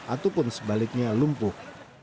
ataupun sebaliknya lumpuh